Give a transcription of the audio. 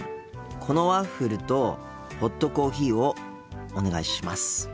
このワッフルとホットコーヒーをお願いします。